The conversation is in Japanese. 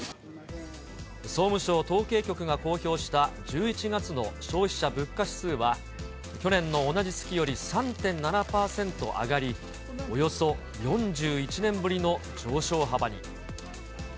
総務省統計局が公表した１１月の消費者物価指数は、去年の同じ月より３．７％上がり、およそ４１年ぶりの上昇幅に。